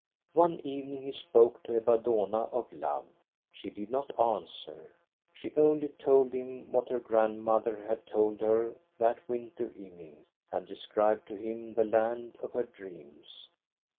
" One evening he spoke to Ebba Dohna of love. She did not answer; she only told him what her grandmother had told her that winter evening, and described to him the land of her dreams.